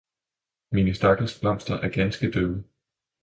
Mine stakkels blomster er ganske døde!